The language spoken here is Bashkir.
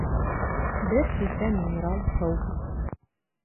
Бер шешә минерал һыу